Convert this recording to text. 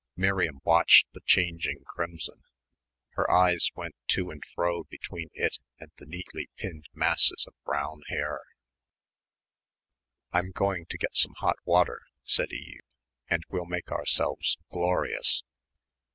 Miriam watched the changing crimson. Her eyes went to and fro between it and the neatly pinned masses of brown hair. "I'm going to get some hot water," said Eve, "and we'll make ourselves glorious."